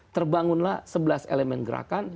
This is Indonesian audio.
terbangunlah sebelas elemen gerakan